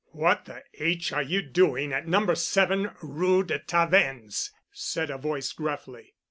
"What the H—— are you doing at No. 7 Rue de Tavennes?" said a voice gruffly.